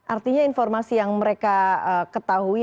artinya informasi yang mereka ketahui